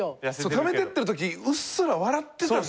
貯めてってるときうっすら笑ってたんだよ。